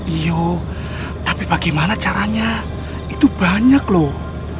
iya tapi bagaimana caranya itu banyak loh